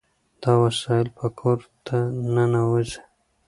دا وسایل به کور ته ننوځي.